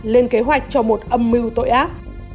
lên kế hoạch cho một âm mưu tội ác